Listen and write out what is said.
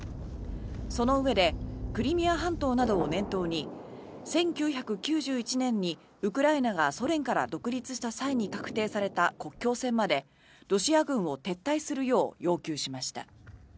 そのうえでクリミア半島などを念頭に１９９１年にウクライナがソ連から独立した際に画定された国境線までロシア軍を撤退するよう要求しました。